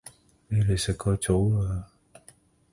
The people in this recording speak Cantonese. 你哋食過早吂